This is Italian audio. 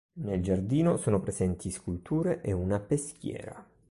Nel giardino sono presenti sculture e una peschiera.